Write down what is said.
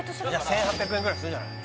１８００円ぐらいするんじゃない？